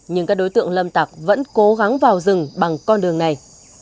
nhưng các đối tượng lâm tặc vẫn cố gắng vào rừng bằng con đường này